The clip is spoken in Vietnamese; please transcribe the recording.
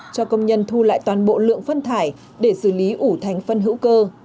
cho công nhân thu lại toàn bộ lượng phân thải để xử lý ủ thành phân hữu cơ